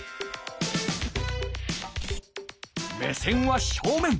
目線は正面。